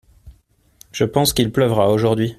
Je pense qu’il pleuvra aujourd’hui.